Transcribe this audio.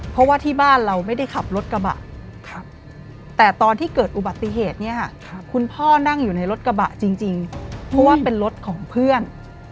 เพราะว่าที่บ้านเราไม่ได้ขับรถกระบะแต่ตอนที่เกิดอุบัติเหตุเนี่ยค่ะคุณพ่อนั่งอยู่ในรถกระบะจริงเพราะว่าเป็นรถของเพื่อน